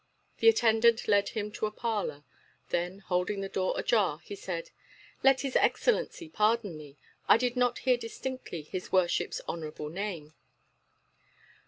The attendant led him to a parlour; then, holding the door ajar, he said, "Let his Excellency pardon me, I did not hear distinctly his worship's honourable name."